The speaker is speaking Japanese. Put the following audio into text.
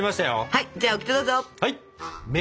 はい！